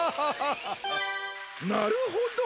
なるほど！